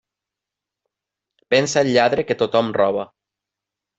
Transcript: Pensa el lladre que tothom roba.